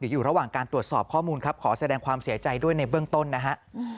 อยู่ระหว่างการตรวจสอบข้อมูลครับขอแสดงความเสียใจด้วยในเบื้องต้นนะฮะ